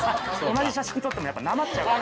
同じ写真撮ってもやっぱなまっちゃう。